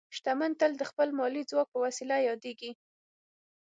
شتمن تل د خپل مالي ځواک په وسیله یادېږي.